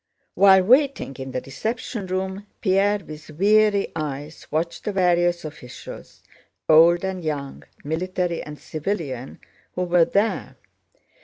While waiting in the reception room Pierre with weary eyes watched the various officials, old and young, military and civilian, who were there.